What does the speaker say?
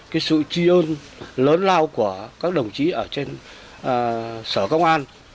cái sự chi ơn lớn lao của các đồng chí ở trên sở công an